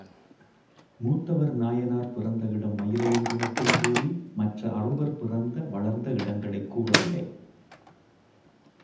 மூத்தவர் நாயனார் பிறந்த இடம் மயிலையென்று மட்டும் கூறி மற்ற அறுவர் பிறந்த, வளர்ந்த இடங்களைக் கூறவில்லை.